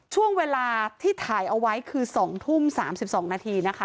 ช่วงเวลาที่ถ่ายเอาไว้คือ๒ทุ่ม๓๒นาทีนะคะ